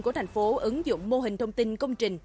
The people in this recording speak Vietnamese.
của thành phố ứng dụng mô hình thông tin công trình